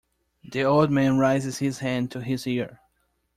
The old man raises his hand to his ear.